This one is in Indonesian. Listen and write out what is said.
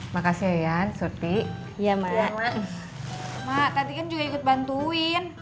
mak tadi kan juga ikut bantuin